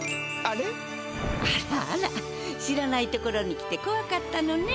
あらあら知らないところに来てこわかったのね。